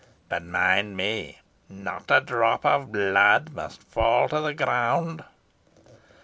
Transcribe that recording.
But mind me, not a drop of blood must fall to the ground."